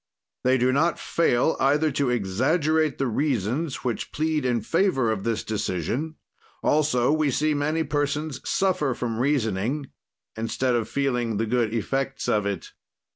"They do not fail either to exaggerate the reasons which plead in favor of this decision; also we see many persons suffer from reasoning, instead of feeling the good effects of it."